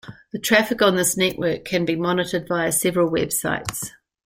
The traffic on this network can be monitored via several websites.